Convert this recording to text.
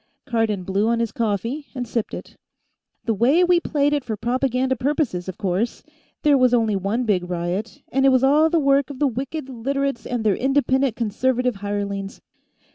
Cardon blew on his coffee and sipped it. "The way we played it for propaganda purposes, of course, there was only one big riot, and it was all the work of the wicked Literates and their Independent Conservative hirelings.